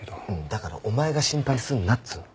だからお前が心配すんなっつうの。